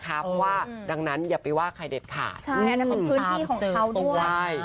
เพราะว่าดังนั้นอย่าไปว่าใครแดดขาด